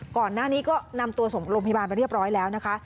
ก่อนหน้านี้ก็นำตัวส่งโรงพยาบาลไปเรียบร้อยแล้วนะคะ